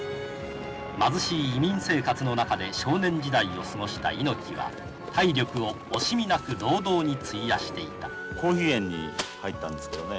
貧しい移民生活の中で少年時代を過ごした猪木は体力を惜しみなく労働に費やしていたコーヒー園に入ったんですけどね